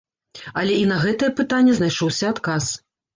Але і на гэтае пытанне знайшоўся адказ.